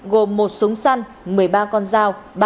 gồm một súng săn một mươi ba con dao